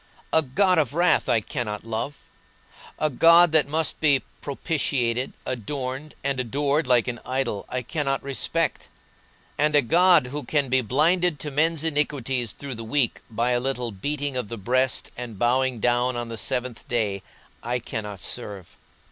A God of wrath I cannot love; a God that must be propitiated, adorned, and adored like an idol I cannot respect; and a God who can be blinded to men's iniquities through the week by a little beating of the breast and bowing down on the seventh day, I cannot serve.